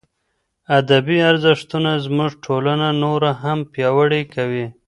ادبي ارزښتونه زموږ ټولنه نوره هم پیاوړې کوي.